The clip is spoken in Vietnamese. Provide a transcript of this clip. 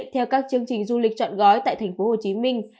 theo các chương trình du lịch chọn gói tại thành phố hồ chí minh